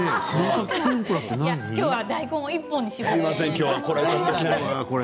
今日は大根一本に絞って。